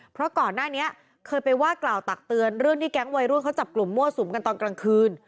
เพราะก่อนหน้านี้เคยไปว่ากล่าวตักเตือนเรื่องที่แก๊งวัยรุ่นเขาจับกลุ่มมั่วสุมกันตอนกลางคืน